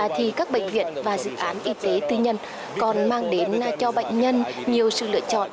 thì các bệnh viện và dự án y tế tư nhân còn mang đến cho bệnh nhân nhiều sự lựa chọn